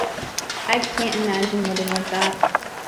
I can't imagine living like that.